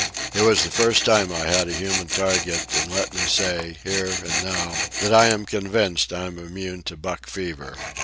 It was the first time I had a human target, and let me say, here and now, that I am convinced I am immune to buck fever.